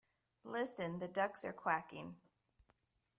Listen! The ducks are quacking!